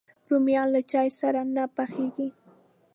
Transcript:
رومیان له چای سره نه پخېږي